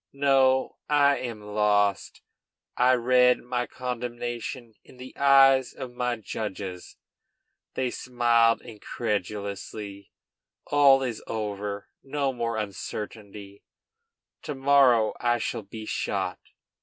No, I am lost. I read my condemnation in the eyes of my judges. They smiled incredulously. All is over. No more uncertainty. To morrow I shall be shot.